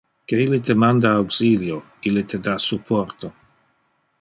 Que ille te manda auxilio, ille te da supporto!